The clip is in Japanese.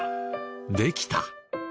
できた。